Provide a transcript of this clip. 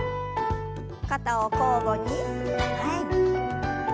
肩を交互に前に。